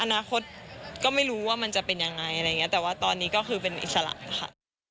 อนาคตก็ไม่รู้ว่ามันจะเป็นยังไงอะไรอย่างนี้แต่ว่าตอนนี้ก็คือเป็นอิสระค่ะ